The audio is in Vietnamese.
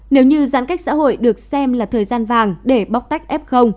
nếu như giãn cách xã hội được xem là thời gian vàng để bóc tách f